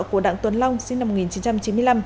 của đặng tuấn long sinh năm một nghìn chín trăm chín mươi năm